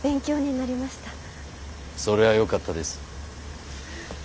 それはよかったです。